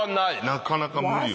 なかなか無理よ。